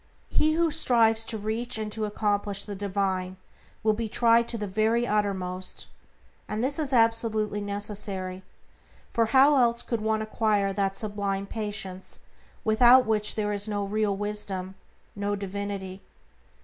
He who strives to reach and to accomplish the divine will be tried to the very uttermost; and this is absolutely necessary, for how else could one acquire that sublime patience without which there is no real wisdom, no divinity?